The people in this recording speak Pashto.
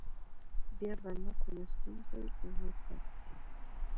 بیا به نه کومه ستونزه وي او نه سر خوږی.